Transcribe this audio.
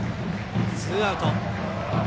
ツーアウト。